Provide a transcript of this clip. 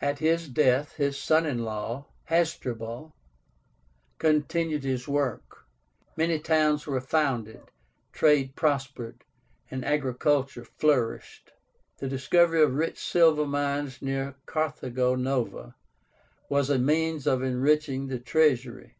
At his death, his son in law, Hasdrubal, continued his work. Many towns were founded, trade prospered, and agriculture flourished. The discovery of rich silver mines near Carthago Nova was a means of enriching the treasury.